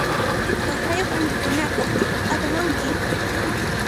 Waqrayuq anihukunata apamunki.